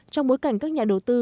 trong bối cảnh các nhà đầu tư